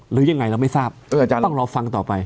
หรือยังไงเราไม่ทราบต้องรอฟังต่อไป